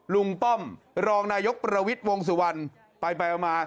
ลุงป้อมรองนายกประวิศร์วงศาวนอ์ไปไปมา